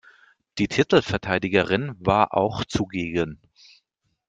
Die Titelverteidigerin war auch zugegen.